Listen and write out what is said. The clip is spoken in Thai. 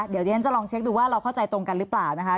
เดี๋ยวดิฉันจะลองเช็คดูว่าเราเข้าใจตรงกันหรือเปล่านะคะ